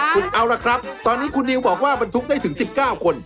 คุณเอาละครับตอนนี้คุณนิวบอกว่าบรรทุกได้ถึง๑๙คน